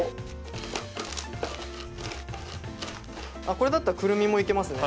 これだったらクルミもいけますね！